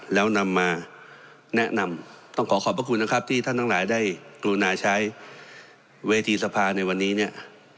แล้วนำมาแนะนำต้องขอขอบพระคุณนะครับที่ท่านทั้งหลายได้กรุณาใช้เวทีสภาในวันนี้เนี่ย